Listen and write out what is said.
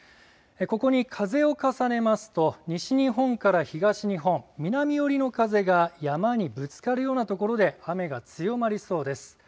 ここに風を重ねますと、西日本から東日本、南寄りの風が山にぶつかるようなところで雨が強まりそうです。